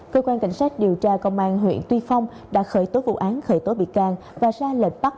cơ quan cảnh sát điều tra công an huyện tuy phong đã khởi tối vụ án khởi tối bị can và ra lệch bắt